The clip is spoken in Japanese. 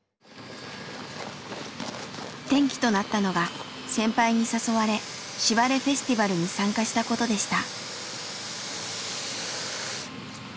転機となったのが先輩に誘われ「しばれフェスティバル」に参加したことでした。